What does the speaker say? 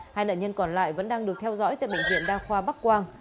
hai nạn nhân còn lại vẫn đang được theo dõi tại bệnh viện đa khoa bắc quang